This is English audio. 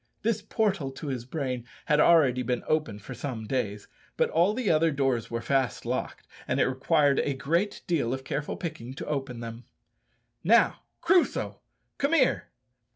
This portal to his brain had already been open for some days; but all the other doors were fast locked, and it required a great deal of careful picking to open them. "Now, Crusoe, come here."